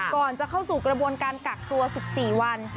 ก่อนจะเข้าสู่กระบวนการกักตัว๑๔วัน